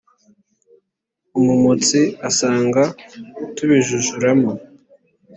Umumotsi asanga tubijujuramo